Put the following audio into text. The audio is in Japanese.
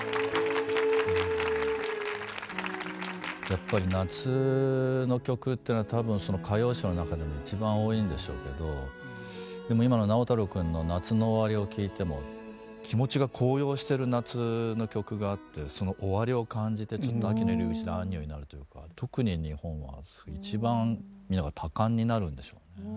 やっぱり夏の曲っていうのは多分その歌謡史の中でも一番多いんでしょうけどでも今の直太朗くんの「夏の終わり」を聴いても気持ちが高揚してる夏の曲があってその終わりを感じてちょっと秋の入り口でアンニュイになるというか特に日本は一番みんなが多感になるんでしょうね。